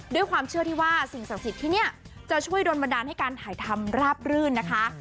ด้วยความเชื่อที่ว่าสิ่งศักดิ์สิทธิ์ที่นี่จะช่วยโดนบันดาลให้การถ่ายทำราบรื่นนะคะ